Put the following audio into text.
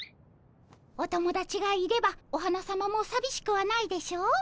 おともだちがいればお花さまもさびしくはないでしょう？